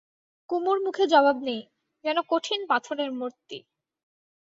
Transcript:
কুমুর মুখে জবাব নেই, যেন কঠিন পাথরের মূর্তি!